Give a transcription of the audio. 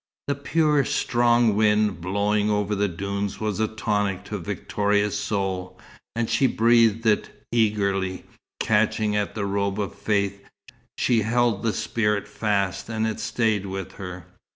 The pure, strong wind blowing over the dunes was a tonic to Victoria's soul, and she breathed it eagerly. Catching at the robe of faith, she held the spirit fast, and it stayed with her.